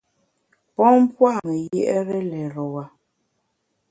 Pon pua’ me yié’re lérewa.